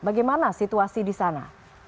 bagaimana situasi di sana